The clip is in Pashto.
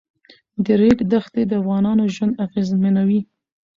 د ریګ دښتې د افغانانو ژوند اغېزمنوي.